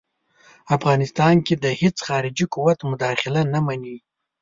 افغانستان کې د هیڅ خارجي قوت مداخله نه مني.